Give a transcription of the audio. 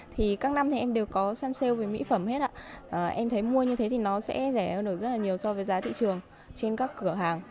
thì các năm thì em đều có săn sale về mỹ phẩm hết ạ em thấy mua như thế thì nó sẽ rẻ hơn được rất là nhiều so với giá thị trường trên các cửa hàng